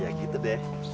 ya gitu deh